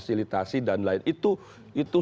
fasilitasi dan lain itu